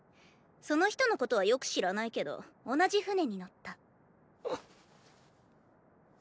その人のことはよく知らないけど同じ船に乗った。